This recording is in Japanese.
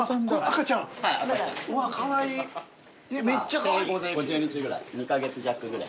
今生後で５０日ぐらい２カ月弱ぐらい。